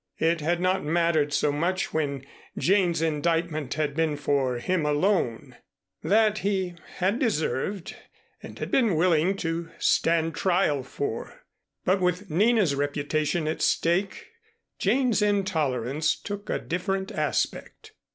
It had not mattered so much when Jane's indictment had been for him alone; that, he had deserved and had been willing to stand trial for; but with Nina's reputation at stake Jane's intolerance took a different aspect.